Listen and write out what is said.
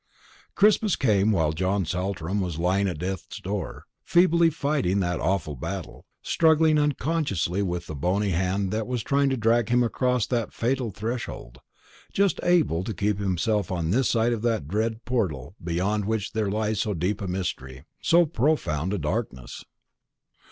Christmas came while John Saltram was lying at death's door, feebly fighting that awful battle, struggling unconsciously with the bony hand that was trying to drag him across that fatal threshold; just able to keep himself on this side of that dread portal beyond which there lies so deep a mystery, so profound a darkness.